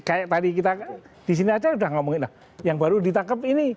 kayak tadi kita disini aja udah ngomongin yang baru ditangkap ini